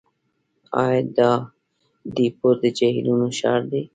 اودایپور د جهیلونو ښار دی.